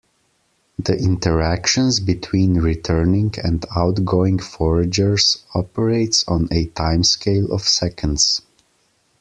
The interactions between returning and outgoing foragers operates on a timescale of seconds.